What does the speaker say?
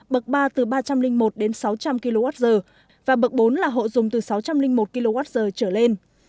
bậc ba từ ba trăm linh một đến sáu trăm linh kwh và bậc bốn là hộ dùng từ sáu trăm linh một kwh trở lên